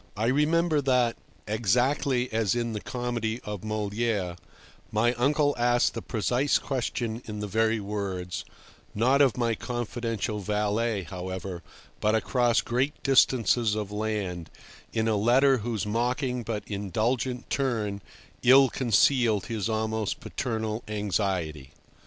I remember that, exactly as in the comedy of Molière, my uncle asked the precise question in the very words—not of my confidential valet, however, but across great distances of land, in a letter whose mocking but indulgent turn ill concealed his almost paternal anxiety.